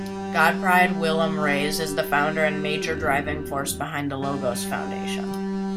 Godfried-Willem Raes is the founder and major driving force behind the Logos Foundation.